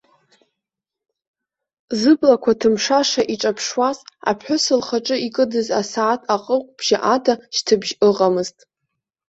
Зыблақәа ҭымшаша иҿаԥшуаз аԥҳәыс лхаҿы икыдыз асааҭ аҟыгәбжьы ада шьҭыбжьы ыҟамызт.